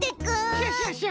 クシャシャシャ！